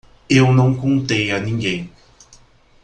Eu não contei a ninguém.